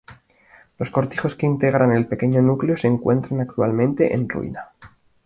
Los cortijos que integran el pequeño núcleo, se encuentran actualmente en ruina.